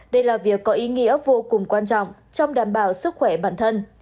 đây là việc có ý nghĩa vô cùng quan trọng trong đảm bảo sức khỏe bản thân